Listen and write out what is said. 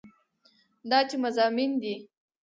دا چې مضامين دي